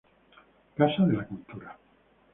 Casa de la Cultura.